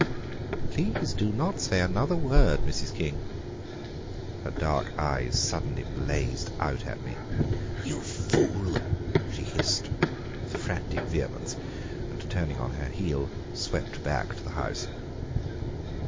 "Please do not say another word, Mrs. King." Her dark eyes suddenly blazed out at me. "You fool!" she hissed, with frantic vehemence, and turning on her heel swept back to the house.